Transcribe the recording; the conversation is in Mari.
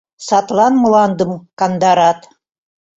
Садлан мландым кандарат.